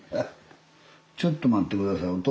ちょっと待って下さい。